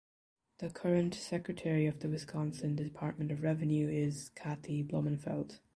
The current Secretary of the Wisconsin Department of Revenue is Kathy Blumenfeld.